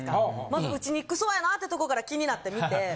まず打ちにくそうやなってとこから気になって見て。